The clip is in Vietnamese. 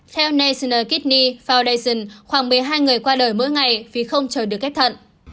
theo national kidney foundation khoảng một mươi hai người qua đời mỗi ngày vì không chờ được kép thận